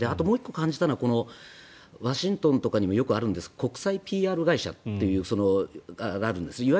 もう１個感じたのはワシントンとかにもよくあるんですが国際ＰＲ会社というのがあるんです。